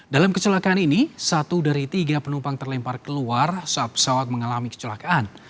dalam kecelakaan ini satu dari tiga penumpang terlempar keluar saat pesawat mengalami kecelakaan